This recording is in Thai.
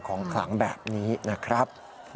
ขลังแบบนี้นะครับ